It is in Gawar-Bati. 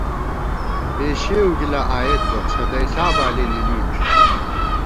پېشېؤ گِلہ آئیېت بہ، څھدَئیݪا بالی نِمِنݮ